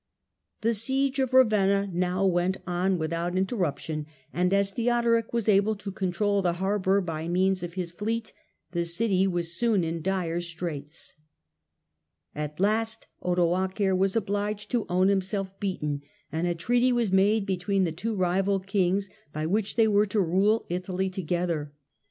The siege of Ravenna now went on without inter ruption, and as Theodoric was able to control the harbour by means of his fleet the city was soon in dire straits. Death of At last Odoacer was obliged to own himself beaten, Odoacer and a treaty was made between the two rival kings, by which they were to rule Italy together.